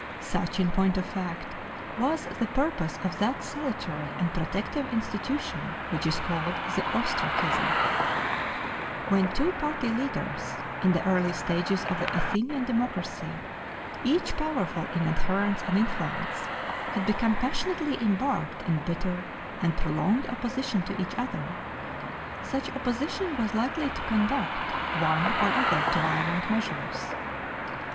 Such, in point of fact, was the purpose of that salutary and protective institution which is called the Ostracism. When two party leaders, in the early stages of the Athenian democracy, each powerful in adherents and influence, had become passionately embarked in bitter and prolonged opposition to each other, such opposition was likely to conduct one or other to violent measures.